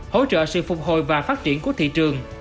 hỗ trợ sự phục hồi và phát triển của thị trường